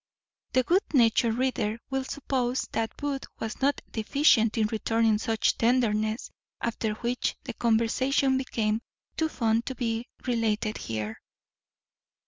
The good natured reader will suppose that Booth was not deficient in returning such tenderness, after which the conversation became too fond to be here related.